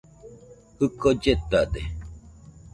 Jɨko lletade.